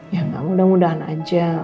ya mudah mudahan aja